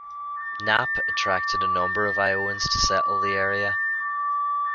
Knapp attracted a number of Iowans to settle the area.